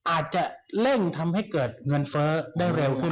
อาจจะเร่งทำให้เกิดเงินเฟ้อได้เร็วขึ้น